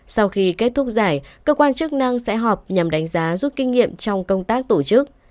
sau khi kết thúc giải cơ quan chức năng sẽ họp nhằm đánh giá rút kinh nghiệm trong công tác tổ chức